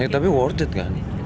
tapi ini berharga kan